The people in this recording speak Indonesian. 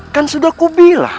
kan sudah aku bilang